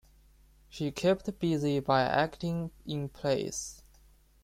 She kept busy by acting in plays.